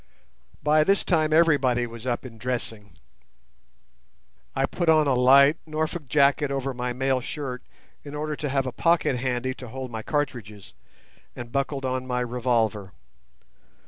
By this time everybody was up and dressing. I put on a light Norfolk jacket over my mail shirt in order to have a pocket handy to hold my cartridges, and buckled on my revolver.